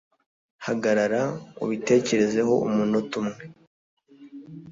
Hagarara ubitekerezeho umunota umwe.